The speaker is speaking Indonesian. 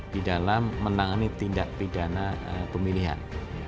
di dalam menangani tindak pidana pemilihan